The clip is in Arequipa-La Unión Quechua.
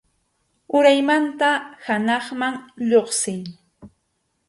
Uraymanta hanaqman lluqsiy.